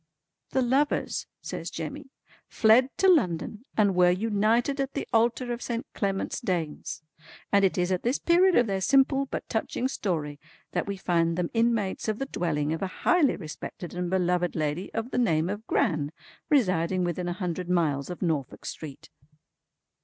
"The lovers" says Jemmy "fled to London and were united at the altar of Saint Clement's Danes. And it is at this period of their simple but touching story that we find them inmates of the dwelling of a highly respected and beloved lady of the name of Gran, residing within a hundred miles of Norfolk Street."